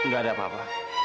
gak ada apa apa